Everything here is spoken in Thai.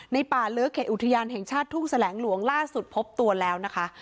ป่าเลอเขตอุทยานแห่งชาติทุ่งแสลงหลวงล่าสุดพบตัวแล้วนะคะ